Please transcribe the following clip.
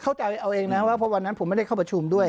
เข้าใจเอาเองนะว่าเพราะวันนั้นผมไม่ได้เข้าประชุมด้วย